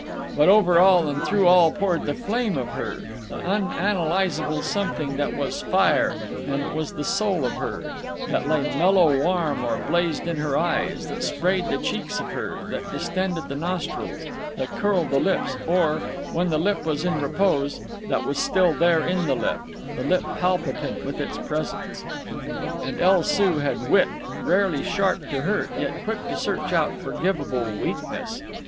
But over all and through all poured the flame of her—the unanalysable something that was fire and that was the soul of her, that lay mellow warm or blazed in her eyes, that sprayed the cheeks of her, that distended the nostrils, that curled the lips, or, when the lip was in repose, that was still there in the lip, the lip palpitant with its presence. And El Soo had wit—rarely sharp to hurt, yet quick to search out forgivable weakness.